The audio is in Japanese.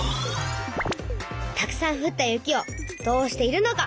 たくさんふった雪をどうしているのか。